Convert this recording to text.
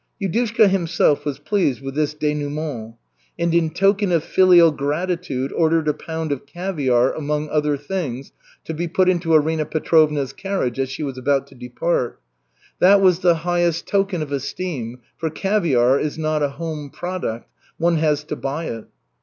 Yudushka himself was pleased with this dénouement, and in token of filial gratitude ordered a pound of caviar, among other things, to be put into Arina Petrovna's carriage as she was about to depart. That was the highest token of esteem, for caviar is not a home product; one has to buy it.